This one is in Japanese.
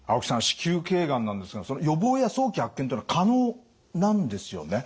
子宮頸がんなんですがその予防や早期発見っていうのは可能なんですよね？